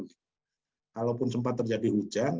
kalaupun sempat terjadi hujan